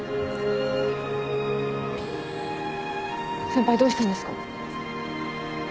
先輩どうしたんですか？